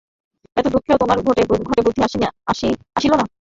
এত দুঃখেও তোমার ঘটে বুদ্ধি আসিল না।